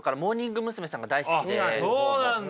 そうなんだ。